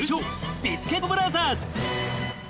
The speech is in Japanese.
ビスケットブラザーズ。